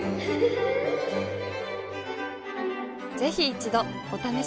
ぜひ一度お試しを。